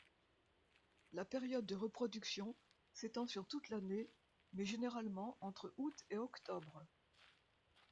La période de reproduction s'étend sur toute l'année mais généralement entre août et octobre.